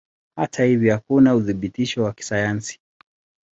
Hata hivyo hakuna uthibitisho wa kisayansi.